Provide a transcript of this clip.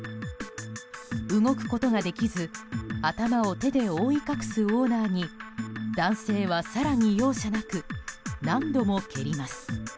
動くことができず頭を手で覆い隠すオーナーに男性は、更に容赦なく何度も蹴ります。